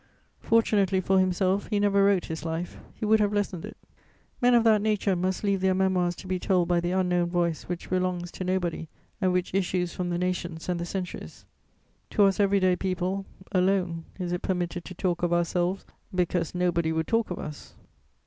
Fortunately for himself, he never wrote his life; he would have lessened it: men of that nature must leave their Memoirs to be told by the unknown voice which belongs to nobody and which issues from the nations and the centuries. To us every day people alone is it permitted to talk of ourselves, because nobody would talk of us.